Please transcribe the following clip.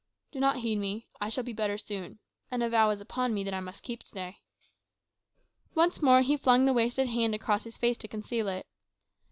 "Do not heed me; I shall be better soon. And a vow is upon me that I must keep to day." Once more he flung the wasted hand across his face to conceal it.